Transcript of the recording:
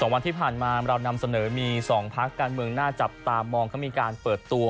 วันที่ผ่านมาเรานำเสนอมี๒พักการเมืองน่าจับตามองเขามีการเปิดตัว